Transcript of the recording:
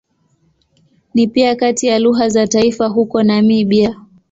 Ni pia kati ya lugha za taifa huko Namibia.